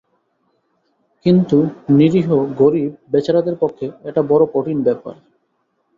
কিন্তু নিরীহ গরীব বেচারাদের পক্ষে এটা বড় কঠিন ব্যাপার।